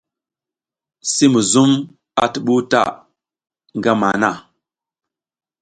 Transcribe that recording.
Si muzum a tuɓuw ta ngama han.